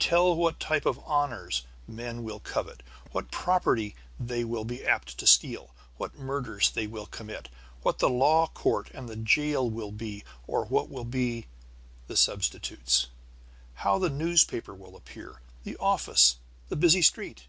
Tell what type of honors men will covet, what property they will still be apt to steal, what murders they will commit, what the law court and the jail will be or what will be the substitutes, how the newspaper will appear, the office, the busy street.